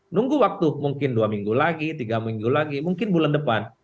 nunggu waktu mungkin dua minggu lagi tiga minggu lagi mungkin bulan depan